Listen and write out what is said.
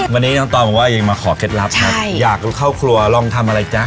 วันนี้น้องตองบอกว่ายังมาขอเคล็ดลับครับอยากเข้าครัวลองทำอะไรจ๊ะ